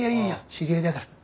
知り合いだから。